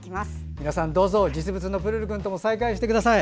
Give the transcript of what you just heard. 皆さん、どうぞ実物のプルルくんとも再会してください。